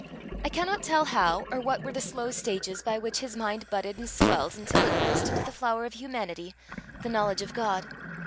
I cannot tell how, or what were the slow stages by which his mind budded and swelled until it burst into the flower of humanity, the knowledge of God.